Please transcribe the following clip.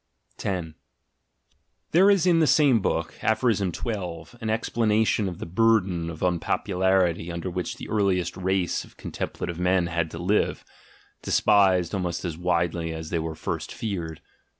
10. There is in the same book, Aph. 12, an explanation n8 THE GENEALOGY OF MORALS of the burden of unpopularity under which the earliest race of contemplative men had to live — despised almost as widely as they were first feared!